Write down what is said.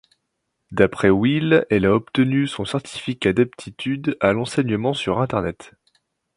D'après Will, elle a obtenu son certificat d'aptitude à l'enseignement sur Internet.